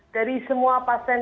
dari semua pasien